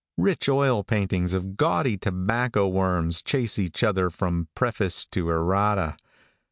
Rich oil paintings of gaudy tobacco worms chase each other from preface to errata.